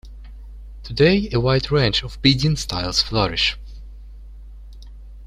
Today a wide range of beading styles flourish.